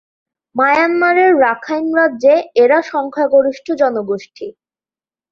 মায়ানমারের রাখাইন রাজ্যে এরা সংখ্যাগরিষ্ঠ জনগোষ্ঠী।